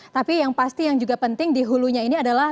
tapi yang pasti yang juga penting dihulunya ini adalah